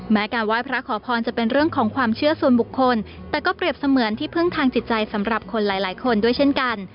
การไหว้พระขอพรจะเป็นเรื่องของความเชื่อส่วนบุคคลแต่ก็เปรียบเสมือนที่พึ่งทางจิตใจสำหรับคนหลายคนด้วยเช่นกัน